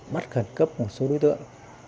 bắt khẩn cấp một số đối tượng